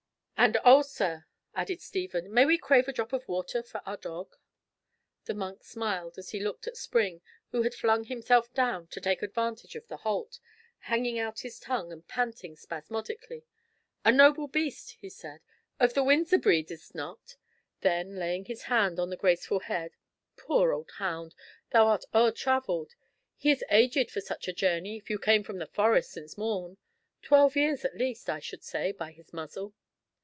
"And oh, sir," added Stephen, "may we crave a drop of water for our dog?" The monk smiled as he looked at Spring, who had flung himself down to take advantage of the halt, hanging out his tongue, and panting spasmodically. "A noble beast," he said, "of the Windsor breed, is't not?" Then laying his hand on the graceful head, "Poor old hound, thou art o'er travelled. He is aged for such a journey, if you came from the Forest since morn. Twelve years at the least, I should say, by his muzzle."